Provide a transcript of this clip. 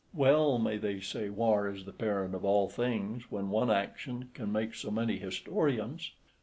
Well may they say war is the parent of all things, {19b} when one action can make so many historians.